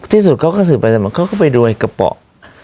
ที่สุดเขาก็สื่อไปเขาก็ไปดูกระเป๋า